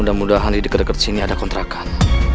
mudah mudahan di dekat dekat sini ada kontrakan